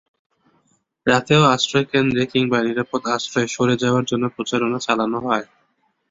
রাতেও আশ্রয়কেন্দ্রে কিংবা নিরাপদ আশ্রয়ে সরে যাওয়ার জন্য প্রচারণা চালানো হয়।